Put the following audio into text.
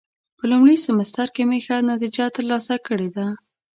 په لومړي سمستر کې مې ښه نتیجه ترلاسه کړې ده.